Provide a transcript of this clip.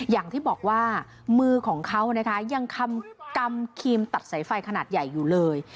อย่างที่บอกว่ามือของเขานะคะยังกำครีมตัดสายไฟขนาดใหญ่อยู่เลย